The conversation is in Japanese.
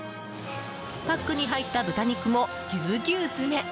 パックに入った豚肉もぎゅうぎゅう詰め。